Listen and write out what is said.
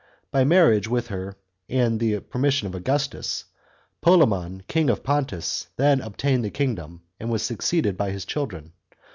By marriage with her and the permission of Augustus, Polemon, king of Pontus, then obtained the kingdom, and was succeeded by his children.